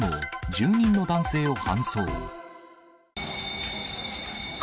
住人の男性を搬送。